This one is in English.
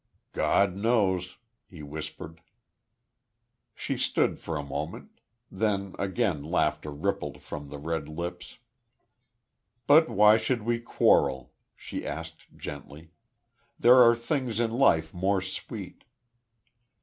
"God knows," he whispered. She stood for a moment; then again laughter rippled from the red lips. "But why should we quarrel?" she asked, gently. "There are things in life more sweet."